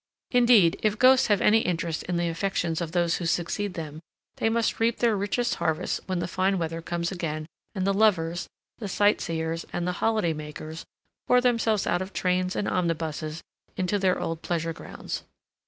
Indeed, if ghosts have any interest in the affections of those who succeed them they must reap their richest harvests when the fine weather comes again and the lovers, the sightseers, and the holiday makers pour themselves out of trains and omnibuses into their old pleasure grounds.